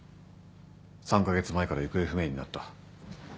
３カ月前から行方不明になった。